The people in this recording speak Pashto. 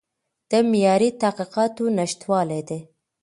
د معیاري تحقیقاتو نشتوالی دی.